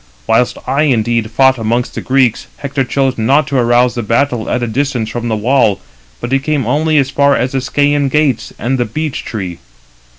Whilst I indeed fought amongst the Greeks, Hector chose not to arouse the battle at a distance from the wall, but he came [only] as far as the Scæan gates, and the beech tree.